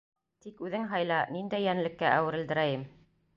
Тик үҙең һайла: ниндәй йәнлеккә әүерелдерәйем?